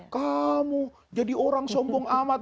kamu jadi orang sombong amat